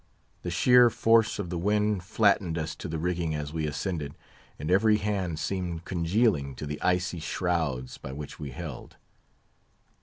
The sheer force of the wind flattened us to the rigging as we ascended, and every hand seemed congealing to the icy shrouds by which we held.